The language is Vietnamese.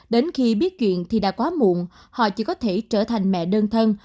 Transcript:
đến khi biết chuyện thì đã quá muộn họ chỉ có thể trở thành mẹ đơn thân